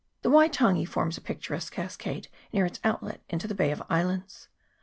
The Waitangi forms a picturesque cascade near its outlet into the Bay of Islands.